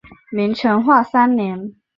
明成化三年。